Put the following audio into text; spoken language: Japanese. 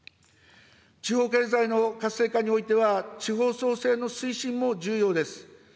地方経済の活性化においては、地方創生の推進も重要です。